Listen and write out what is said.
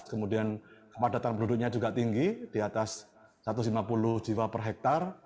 kemudian kepadatan penduduknya juga tinggi di atas satu ratus lima puluh jiwa per hektare